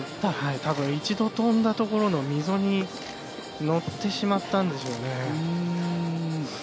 多分、一度跳んだところの溝に乗ってしまったんでしょうね。